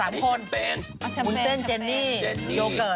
วุนเซ็นเจนเนี่ยโยเกิร์ต